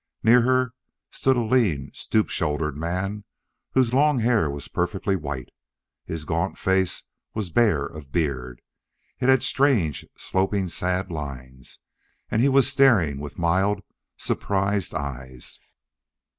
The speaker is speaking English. Near her stood a lean, stoop shouldered man whose long hair was perfectly white. His gaunt face was bare of beard. It had strange, sloping, sad lines. And he was staring with mild, surprised eyes.